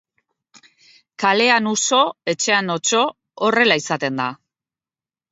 Kalean uso, etxean otso, horrela izaten da.